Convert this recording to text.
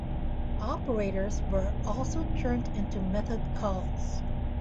Operators were also turned into method calls.